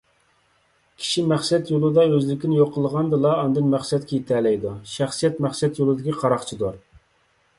كىشى مەقسەت يولىدا ئۆزلۈكىنى يوق قىلغاندىلا، ئاندىن مەقسەتكە يېتەلەيدۇ. شەخسىيەت مەقسەت يولىدىكى قاراقچىدۇر.